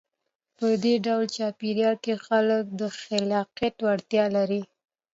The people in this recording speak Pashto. په دې ډول چاپېریال کې خلک د خلاقیت وړتیا لري.